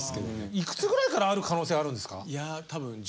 いくつぐらいからある可能性あるんですか？